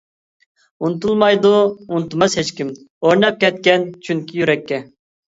ئۇنتۇلمايدۇ ئۇنتۇماس ھېچكىم، ئورناپ كەتكەن چۈنكى يۈرەككە.